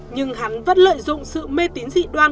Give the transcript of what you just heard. nhưng hắn vẫn lợi dụng sự mê tín dị đoan